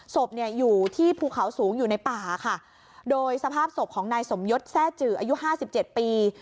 ศพเนี่ยอยู่ที่ภูเขาสูงอยู่ในป่าค่ะโดยสภาพศพของนายสมยศแทร่จืออายุห้าสิบเจ็ดปี